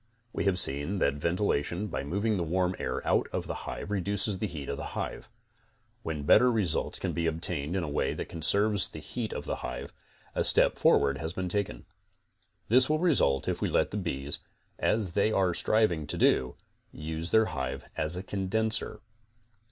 We have seen that ventilation, by moving the warm air out of the hive reduces the heat of the hive. When better results 26 CONSTRUCTIVE BEEKEEPING _ can be obtained in a way that conserves the heat of a hive, a step forward has been taken. This will result if we let the bees, as they are striving to do, use their hive as a condenser.